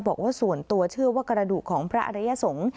บอกว่าส่วนตัวเชื่อว่ากระดูกของพระอริยสงฆ์